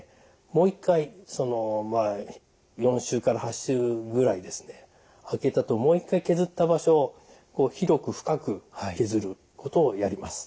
もう一回４週から８週ぐらい空けたあともう一回削った場所を広く深く削ることをやります。